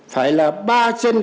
phải là ba chân